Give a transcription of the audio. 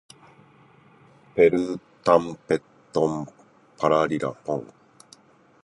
ペルータンペットンパラリラポン